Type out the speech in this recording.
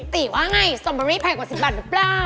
ติว่าไงสตอเบอรี่แพงกว่า๑๐บาทหรือเปล่า